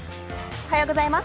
おはようございます。